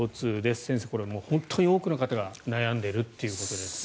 先生、本当に多くの方が悩んでいるということですね。